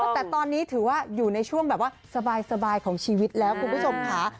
แต่ตอนนี้ถือว่าอยู่ในช่วงแบบว่าสบายของชีวิตแล้วคุณผู้ชมค่ะ